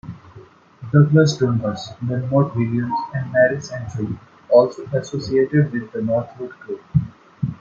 Douglas Dundas, Wilmotte Williams and Marie Santry also associated with the Northwood group.